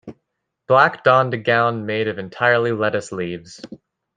Black donned a gown made entirely of lettuce leaves.